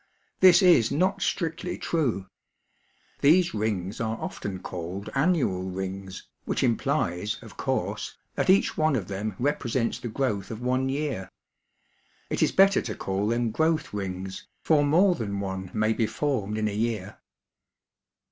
This is not strictly true. These rings are often called annual rings, which implies, of course, that each one of them represents the growth of one year. It is better to call them growth rings, for more than one may be formed in a year.